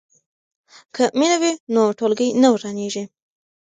که مینه وي نو ټولګی نه ورانیږي.